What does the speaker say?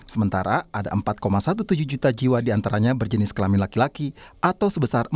sementara ada empat tujuh belas juta jiwa diantaranya berjenis kelamin laki laki atau sebesar empat puluh